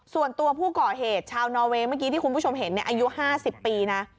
ส่วนตัวผู้ก่อเหตุชาวนอเวย์เมื่อกี้ที่คุณผู้ชมเห็นอายุ๕๐ปีนะ